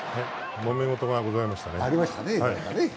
もめごとがございましたね。